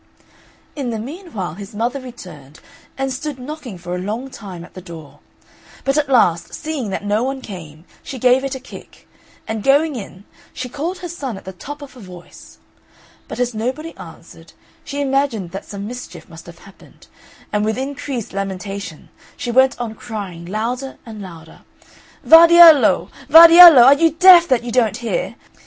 In the meanwhile his mother returned, and stood knocking for a long time at the door; but at last, seeing that no one came, she gave it a kick; and going in, she called her son at the top of her voice. But as nobody answered, she imagined that some mischief must have happened, and with increased lamentation she went on crying louder and louder, "Vardiello! Vardiello! are you deaf, that you don't hear?